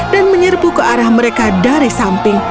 dan menyerbu ke arah mereka dari samping